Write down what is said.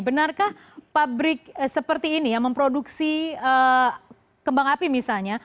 benarkah pabrik seperti ini yang memproduksi kembang api misalnya